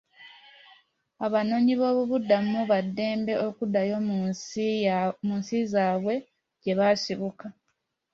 Abanoonyiboobubudamu ba ddembe okuddayo mu nsi zaabwe gye basibuka.